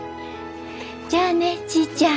じゃあねちぃちゃん。